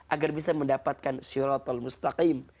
agar bisa mendapatkan syurotol bustakim